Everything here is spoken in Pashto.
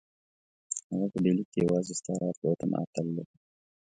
هغه په ډهلي کې یوازې ستا راتلو ته معطل دی.